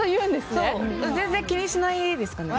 全然気にしないですかね。